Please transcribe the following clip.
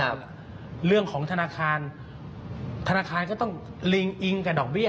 เรื่องของธนาคารธนาคารก็ต้องลิงอิงกับดอกเบี้ย